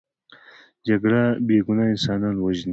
جګړه بې ګناه انسانان وژني